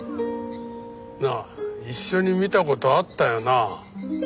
なあ一緒に見た事あったよな？